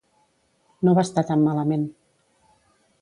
No va estar tan malament.